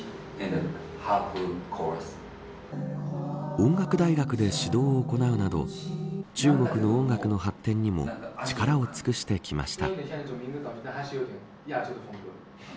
音楽大学で指導を行うなど中国の音楽の発展にも力を尽くしてきました。